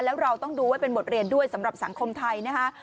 แล้วเราต้องดูไว้เป็นบทเรียนด้วยสำหรับสังคมไทยนะคะ